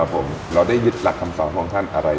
ครับผมแล้วได้หยุดหลักคำสอบพระองค์ท่านอะไร